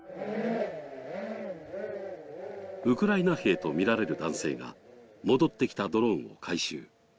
ウクライナ兵とみられる男性が戻ってきたドローンを回収。